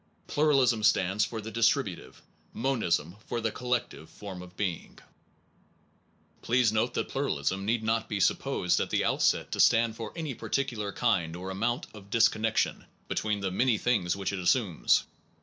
Pluralism stands for the distributive, monism for the collective form of being. 114 THE ONE AND THE MANY Please note that pluralism need not be sup posed at the outset to stand for any particular kind or amount of disconnection between the many things which it assumes.